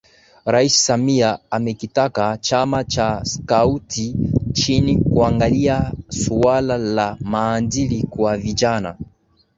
Rais Samia amekitaka Chama cha Skauti nchini kuangalia suala la maadili kwa vijana